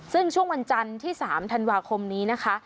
ซึ่งช่วงวันจันทร์ที่๓ธันวาคมนี้นะคะ